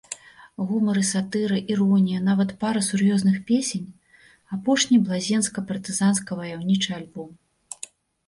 Гумар і сатыра, іронія, нават пара сур'ёзных песень, апошні блазенска-партызанска-ваяўнічы альбом.